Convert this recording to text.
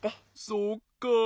そっかあ。